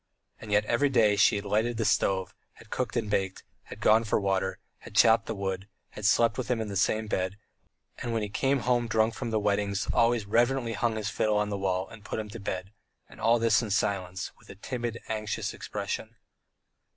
And yet, every day, she had lighted the stove had cooked and baked, had gone for the water, had chopped the wood, had slept with him in the same bed, and when he came home drunk from the weddings always reverently hung his fiddle on the wall and put him to bed, and all this in silence, with a timid, anxious expression.